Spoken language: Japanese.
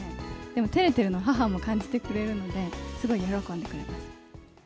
でもてれてるのを、母も感じてくれて、すごい喜んでくれます。